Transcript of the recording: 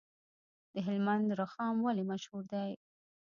د هلمند رخام ولې مشهور دی؟